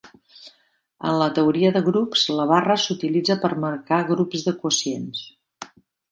En la teoria de grups, la barra s'utilitza per marcar grups de quocients.